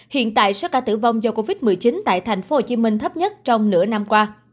hiện tại số ca tử vong do covid một mươi chín tại tp hcm thấp nhất trong nửa năm qua